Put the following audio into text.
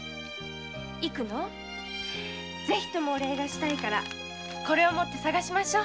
ぜひともお礼がしたいからこれを持って捜しましょう。